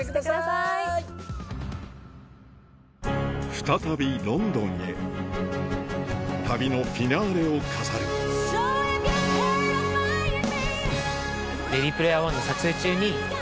再びロンドンへ旅のフィナーレを飾るあっ